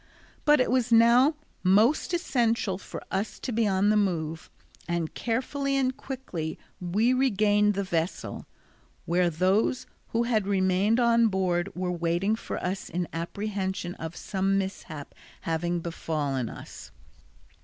But it was now most essential for us to be on the move, and carefully and quickly we regained the vessel, where those who had remained on board were waiting for us in apprehension of some mishap having befallen us.